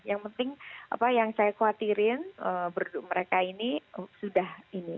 yang penting apa yang saya khawatirin berdua mereka ini sudah ini